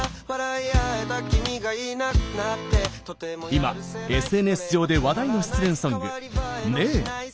今、ＳＮＳ上で話題の失恋ソング「ねぇ」。